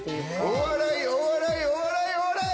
お笑いお笑いお笑いお笑い！